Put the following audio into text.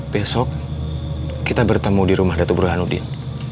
besok kita bertemu di rumah datu burhanuddin